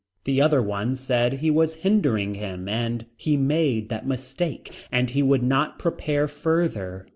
The other one said he was hindering him and he made that mistake and he would not prepare further.